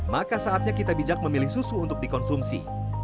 maka saatnya kita bijak memilih susu untuk dikonsumsi